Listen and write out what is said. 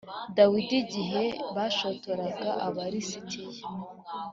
Dawidi igihe bashotoraga Aba lisitiya